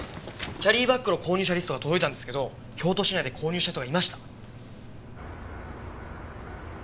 キャリーバッグの購入者リストが届いたんですけど京都市内で購入した人がいました。